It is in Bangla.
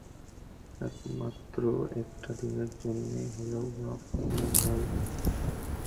শুধুমাত্র একটা দিনের জন্যে হলেই বা কেমন হয়?